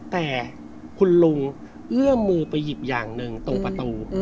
แต่คุณลุงเอื้อมมือไปหยิบอย่างหนึ่งตรงประตู